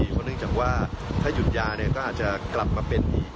เพราะเนื่องจากว่าถ้าหยุดยาเนี่ยก็อาจจะกลับมาเป็นอีก